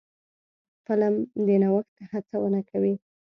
فلم د نوښت هڅونه کوي